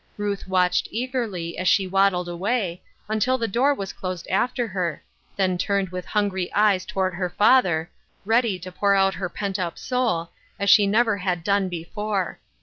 Ruth watched eagerly, as she waddled away, until the door closed after her, then turned with hungry eyes toward her father, ready to pour " Through a Glass, Darkly: 223 out Ler pent up soul, as she never had done before.